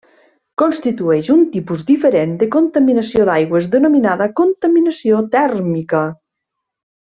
Constitueix un tipus diferent de contaminació d'aigües denominada contaminació tèrmica.